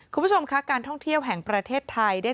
คุณผู้ชมค่ะการท่องเที่ยวแห่งประเทศไทย